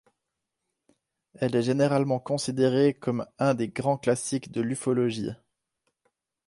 Elle est généralement considérée comme un des grands classiques de l'ufologie.